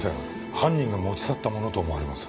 犯人が持ち去ったものと思われます。